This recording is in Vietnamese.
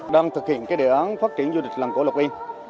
đang thực hiện cái đề án phát triển du lịch làng cổ lộc yên